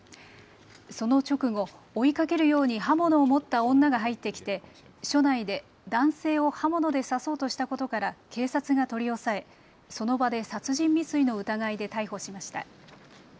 その直後、追いかけるように刃物を持った女が入ってきて署内で男性を刃物で刺そうとしたことから警察が取り押さえその場で殺人未遂の疑いで逮捕しました。